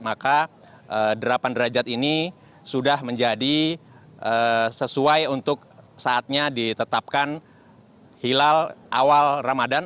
maka delapan derajat ini sudah menjadi sesuai untuk saatnya ditetapkan hilal awal ramadan